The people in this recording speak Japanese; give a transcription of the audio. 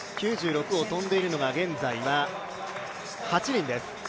９６を跳んでいるのが現在８人です。